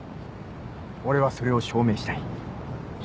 俺はそれを証明したい。